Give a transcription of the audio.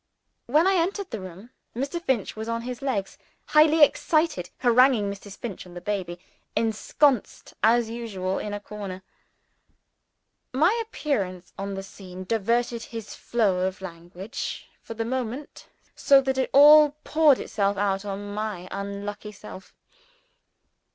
When I entered the room, Mr. Finch was on his legs, highly excited; haranguing Mrs. Finch and the baby, ensconced as usual in a corner. My appearance on the scene diverted his flow of language, for the moment, so that it all poured itself out on my unlucky self.